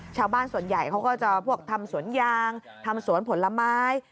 ชาวบ้านส่วนใหญ่เขาก็จะพวกทำสวนยางทำสวนผลไม้